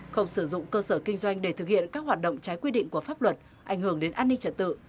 không sử dụng cơ sở kinh doanh để thực hiện các hoạt động trái quy định của pháp luật ảnh hưởng đến an ninh trật tự